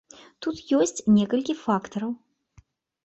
Тут ёсць некалькі фактараў.